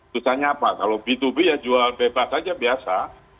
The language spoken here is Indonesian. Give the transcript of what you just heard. susahnya apa kalau b dua b ya jual bebas saja biasa